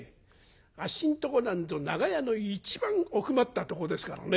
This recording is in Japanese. あっしのとこなんぞ長屋の一番奥まったとこですからね